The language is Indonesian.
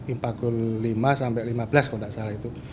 impakul lima sampai lima belas kalau tidak salah itu